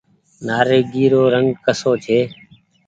نآريگي رو رنگ ڪسو ڇي۔